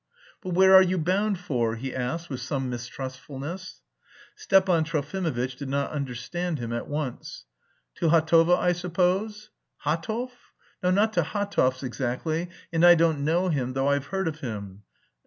"But where are you bound for?" he asked with some mistrustfulness. Stepan Trofimovitch did not understand him at once. "To Hatovo, I suppose?" "Hatov? No, not to Hatov's exactly... And I don't know him though I've heard of him."